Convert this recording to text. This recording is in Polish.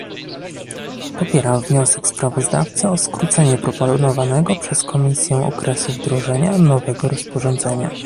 Popieram wniosek sprawozdawcy o skrócenie proponowanego przez Komisję okresu wdrożenia nowego rozporządzenia